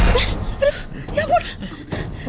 mas aduh ya ampun